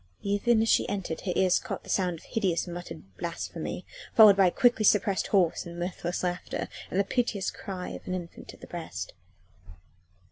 Even as she entered her ears caught the sound of hideous muttered blasphemy, followed by quickly suppressed hoarse and mirthless laughter and the piteous cry of an infant at the breast.